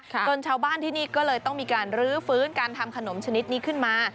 จนชาวบ้านที่นี่ก็เลยต้องมีการรื้อฟื้นการทำขนมชนิดนี้ขึ้นมา